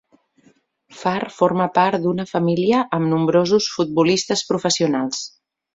Farr forma part d'una família amb nombrosos futbolistes professionals.